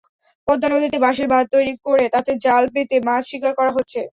পদ্মা নদীতে বাঁশের বাঁধ তৈরি করে তাতে জাল পেতে মাছ শিকার করা হচ্ছে।